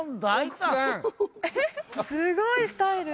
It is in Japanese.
すごいスタイル。